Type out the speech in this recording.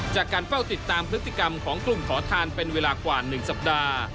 จากการเฝ้าติดตามพฤติกรรมของกลุ่มขอทานเป็นเวลากว่า๑สัปดาห์